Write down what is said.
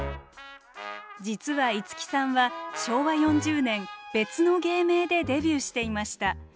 実は五木さんは昭和４０年別の芸名でデビューしていました。